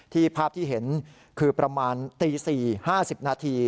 ภาพที่เห็นคือประมาณตี๔๕๐นาที